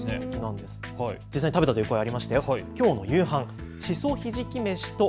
実際食べたという声がありましたよ。